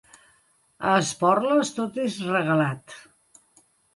A Esporles tot és regalat.